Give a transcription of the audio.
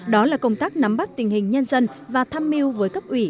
đó là công tác nắm bắt tình hình nhân dân và tham mưu với cấp ủy